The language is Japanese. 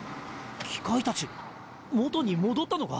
機械たち元に戻ったのか？